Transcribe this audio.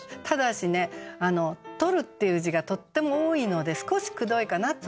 ただしね「取る」っていう字がとっても多いので少しくどいかな。